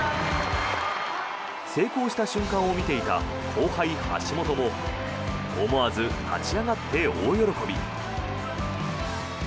成功した瞬間を見ていた後輩、橋本も思わず立ち上がって大喜び。